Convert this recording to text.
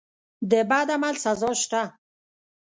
د بد عمل سزا شته.